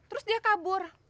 terus dia kabur